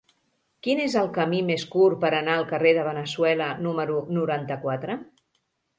Quin és el camí més curt per anar al carrer de Veneçuela número noranta-quatre?